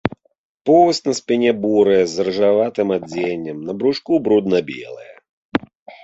Поўсць на спіне бурая, з рыжаватым адценнем, на брушку брудна белая.